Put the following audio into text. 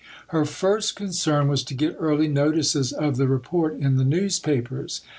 Her first concern was to get early notices of the Report in the newspapers.